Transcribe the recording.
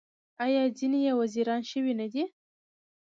آیا ځینې یې وزیران شوي نه دي؟